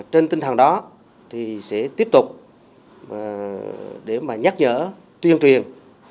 trên tinh thần đó thì sẽ tiếp tục nhắc nhở tuyên truyền